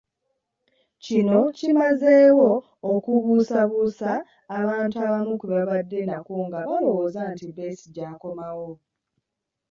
Kino kimazeewo okubuusabuusa abantu abamu kwe babadde nakwo nga balowooza nti Besigye akomawo.